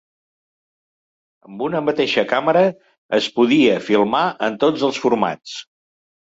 Amb una mateixa càmera es podia filmar en tots els formats.